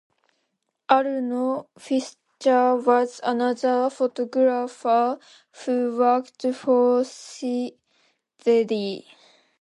Arno Fischer was another photographer who worked for "Sibylle".